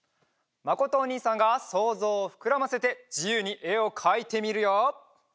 まことおにいさんがそうぞうをふくらませてじゆうにえをかいてみるよ。